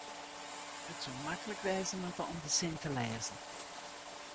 it soe maklik wêze moatte om de sin te lêzen